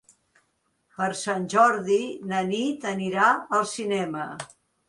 Per Sant Jordi na Nit anirà al cinema.